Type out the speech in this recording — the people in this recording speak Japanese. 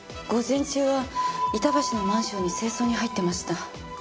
午前中は板橋のマンションに清掃に入ってました。